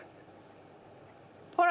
ほら。